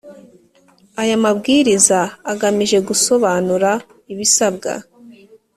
Aya mabwiriza agamije gusobanura ibisabwa